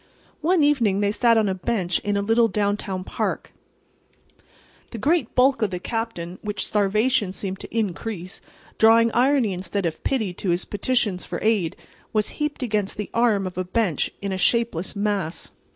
One evening they sat on a bench in a little downtown park. The great bulk of the Captain, which starvation seemed to increase—drawing irony instead of pity to his petitions for aid—was heaped against the arm of the bench in a shapeless mass.